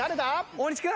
大西君？